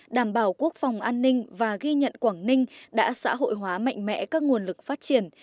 đảm bảo quốc phòng an ninh và ghi nhận quảng ninh đã xã hội hóa mạnh mẽ các nguồn lực phát triển